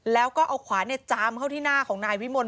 แล้วก็เอาขวานจามเข้าที่หน้าของนายวิมล